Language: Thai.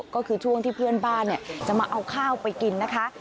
ก็คือช่วงที่เพื่อนบ้านจะมาเอาข้าวไปกินนะคะ